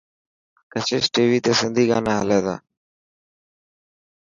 ڪشش ٽي وي تي سنڌي گانا هلي تا.